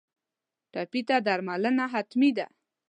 ټپي ته درملنه حتمي ده.